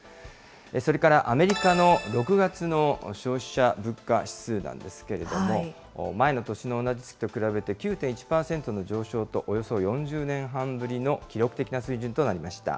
それから、アメリカの６月の消費者物価指数なんですけれども、前の年の同じ月と比べて９．１％の上昇と、およそ４０年半ぶりの記録的な水準となりました。